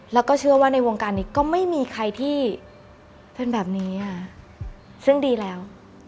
แล้วก็เชื่อว่าในวงการนี้ก็ไม่มีใครที่เป็นแบบนี้ค่ะซึ่งดีแล้ว